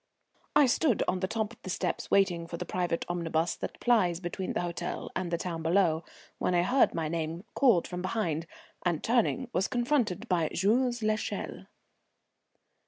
I stood on the top of the steps waiting for the private omnibus that plies between the hotel and the town below, when I heard my name called from behind, and turning, was confronted by Jules l'Echelle.